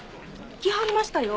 来はりましたよ